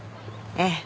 ええ。